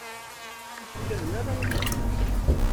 Ur t-ugaden ara igerdan.